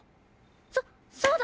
そっそうだ！